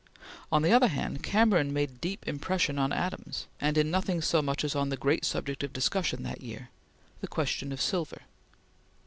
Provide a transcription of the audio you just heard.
On the other hand, Cameron made deep impression on Adams, and in nothing so much as on the great subject of discussion that year the question of silver.